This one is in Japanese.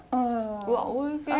うわおいしい。